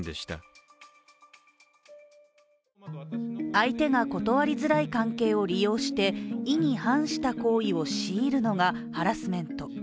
相手が断りづらい関係を利用して意に反した行為を強いるのがハラスメント。